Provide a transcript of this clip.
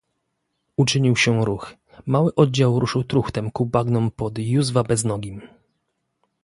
"Uczynił się ruch; mały oddział ruszył truchtem ku bagnom pod Józwa Beznogim."